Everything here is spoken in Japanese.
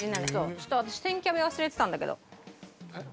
ちょっと私千キャベ忘れてたんだけど。